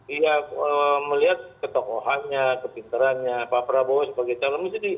iya melihat ketokohannya kepinterannya pak prabowo sebagai calon